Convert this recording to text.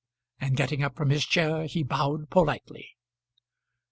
And getting up from his chair he bowed politely.